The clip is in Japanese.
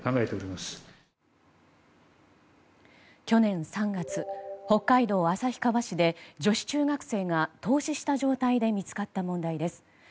去年３月、北海道旭川市で女子中学生が凍死した状態で見つかった問題です。